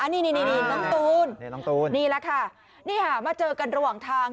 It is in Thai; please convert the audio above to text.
น้องตูนนี่ล่ะคะนี่ฮะมาเจอกันระหว่างทาง